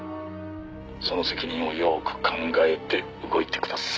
「その責任をよく考えて動いてください」